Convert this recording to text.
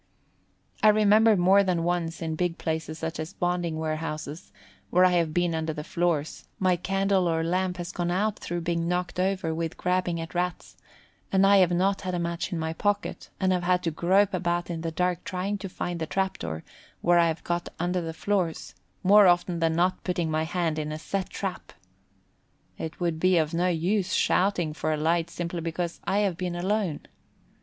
I remember more than once in big places such as bonding warehouses, when I have been under the floors, my candle or lamp has gone out through being knocked over with grabbing at Rats, and I have not had a match in my pocket, and have had to grope about in the dark trying to find the trap door where I have got under the floors, more often than not putting my hand in a set trap. It would be of no use shouting for a light simply because I have been alone.